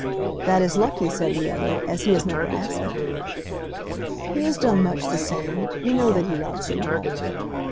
"That is lucky," said the other, "as he has never asked me." "He has done much the same. You know that he loves you."